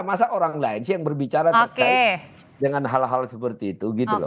masa orang lain sih yang berbicara terkait dengan hal hal seperti itu gitu loh